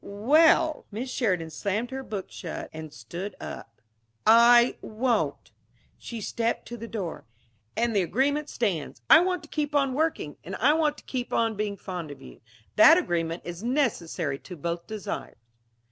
"Well " Miss Sheridan slammed her book shut and stood up "I won't." She stepped to the door. "And the agreement stands. I want to keep on working. And I want to keep on being fond of you. That agreement is necessary to both desires."